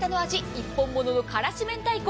一本物の辛子明太子。